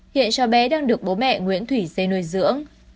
hiện cháu bé đang được bố mẹ nguyễn thủy dê nuôi dưỡng